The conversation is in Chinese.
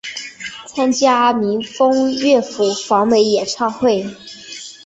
参与民风乐府访美演唱会。